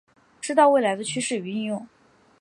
知道未来的趋势与应用